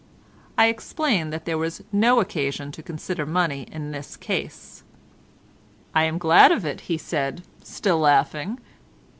I explained that there was no occasion to consider money in this case. "I am glad of it," he said, still laughing.